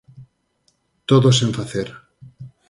Todo sen facer.